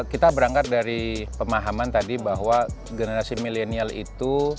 kita berangkat dari pemahaman tadi bahwa generasi milenial itu